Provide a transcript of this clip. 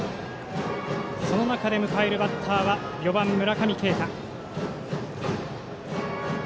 その中で迎えるバッターは４番、村上慶太。